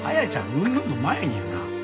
うんぬんの前にやな